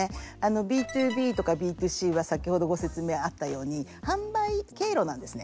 Ｂ２ＢとかＢ２Ｃは先ほどご説明あったように販売経路なんですね。